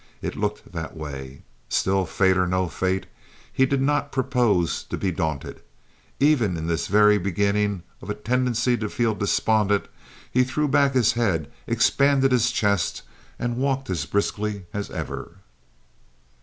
It looked that way. Still, fate or no fate, he did not propose to be daunted. Even in this very beginning of a tendency to feel despondent he threw back his head, expanded his chest, and walked as briskly as ever.